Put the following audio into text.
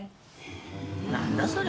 何だそれ？